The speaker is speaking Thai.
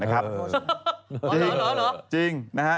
หรอหรอจริงนะฮะ